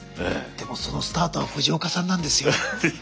でもそのスタートは藤岡さんなんですよ。